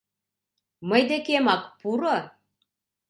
Мый декемак пуро!